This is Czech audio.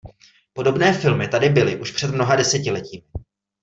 Podobné filmy tady byly už před mnoha desetiletími.